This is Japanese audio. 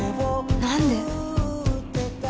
何で？